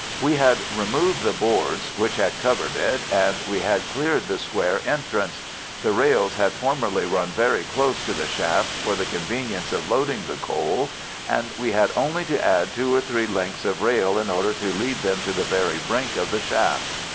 We had removed the boards which had covered it, and we had cleared the square entrance. The rails had formerly run very close to the shaft for the convenience of loading the coal, and we had only to add two or three lengths of rail in order to lead to the very brink of the shaft.